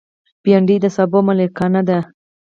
بېنډۍ د سابو ملکانه ده